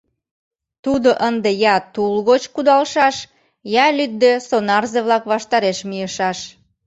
Тудо ынде я тул гоч кудалшаш, я лӱдде сонарзе-влак ваштареш мийышаш.